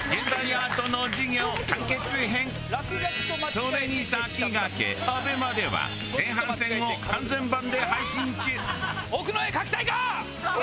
それに先駆けＡＢＥＭＡでは前半戦を完全版で配信中！